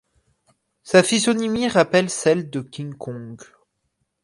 Sa physionomie rappelle celle de King Kong.